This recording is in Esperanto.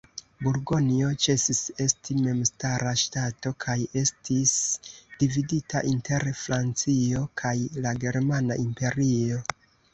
Burgonjo ĉesis esti memstara ŝtato kaj estis dividita inter Francio kaj la germana imperio.